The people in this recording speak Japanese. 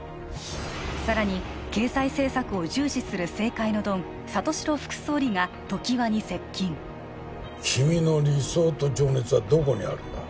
更に経済政策を重視する政界のドン里城副総理が常盤に接近君の理想と情熱はどこにあるんだ？